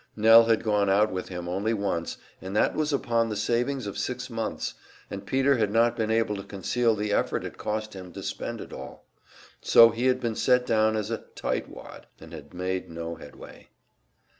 Nell had gone out with him only once, and that was upon the savings of six months, and Peter had not been able to conceal the effort it cost him to spend it all. So he had been set down as a "tight wad," and had made no headway.